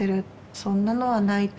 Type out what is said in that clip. そんなのはない」と。